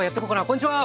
こんにちは！